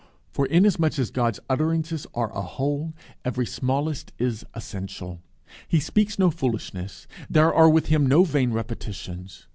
For inasmuch as God's utterances are a whole, every smallest is essential: he speaks no foolishness there are with him no vain repetitions.